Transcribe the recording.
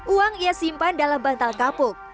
uang ia simpan dalam bantal kapuk